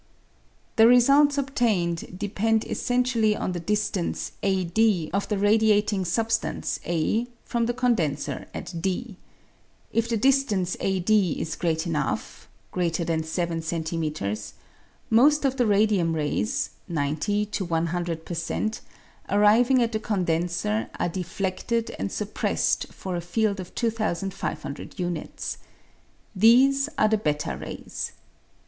The results obtained depend essentially on the distance, AD, of the radiating substance, a, from the the condenser at D. If the distance a d is great enough (greater than 7 cm.), most of the radium rays (90 to 100 per cent) arriving at the condenser are defleded and suppressed for a field of 2500 units. These are the / i rays.